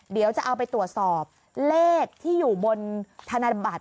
เดี๋ยวจะเอาไปตรวจสอบเลขที่อยู่บนธนบัตร